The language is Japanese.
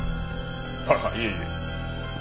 ああいえいえ。